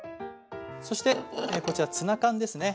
そしてこちらツナ缶ですね。